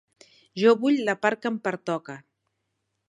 Jo vull la part que em pertoca.